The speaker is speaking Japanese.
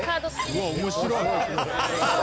うわ面白い。